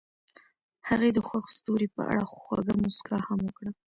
هغې د خوښ ستوري په اړه خوږه موسکا هم وکړه.